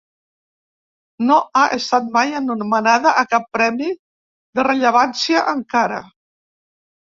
No ha estat mai anomenada a cap premi de rellevància encara.